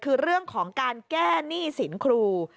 คือเรื่องของการแก้หนี้สินครู